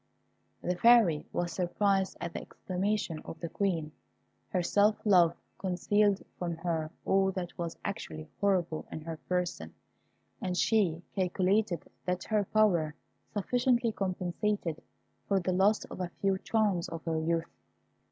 The Fairy was surprised at the exclamation of the Queen. Her self love concealed from her all that was actually horrible in her person, and she calculated that her power sufficiently compensated for the loss of a few charms of her youth.